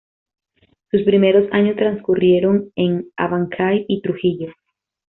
Sus primeros años transcurrieron en Abancay y Trujillo.